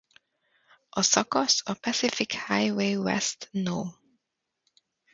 A szakasz a Pacific Highway West No.